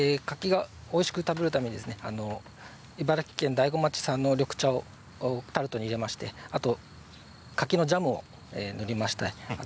柿をおいしく食べるために茨城県大子町の緑茶を入れてあとは柿のジャムを塗りました。